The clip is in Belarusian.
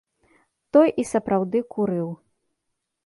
Той і сапраўды курыў.